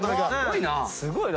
すごいな。